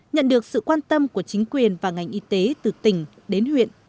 nhận được sự quan tâm của chính quyền và ngành y tế từ tỉnh đến huyện